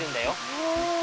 へえ！